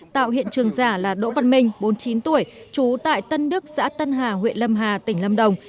tạo hiện trường giả là đỗ văn minh bốn mươi chín tuổi trú tại tân đức xã tân hà huyện lâm hà tỉnh lâm đồng